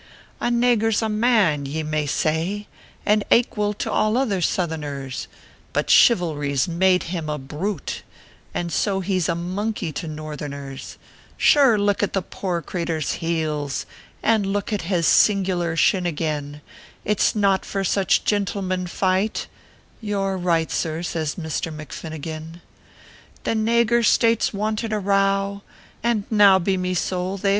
ORPHEUS C. KERR PAPERS. 151 " A nagur s a man, 70 may say, And aiqual to all other Southerners ; But chivalry s made him a brute, And so he s a monkey to Northerners ; Sure, look at tho poor cratur s heels, And look at his singular shin again j It s not for such gintlemen fight " "You re right, sir," says Misther McFinnigan. " The nagur States wanted a row, And now, be mo sowl, but they v.